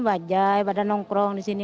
bajai pada nongkrong di sini